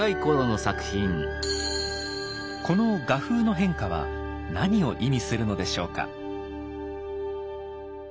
この画風の変化は何を意味するのでしょうか。